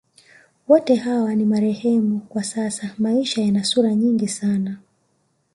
Wote hawa ni marehemu kwa sasa Maisha yana sura nyingi sana